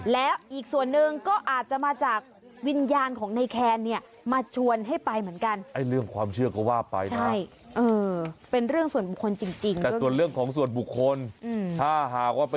แล้วอีกส่วนหนึ่งก็อาจจะมาจากวิญญาณของในแคนเนี่ยมาชวนให้ไปเหมือนกัน